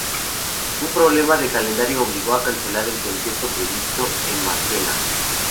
Un problema de calendario obligó a cancelar el concierto previsto en Marsella.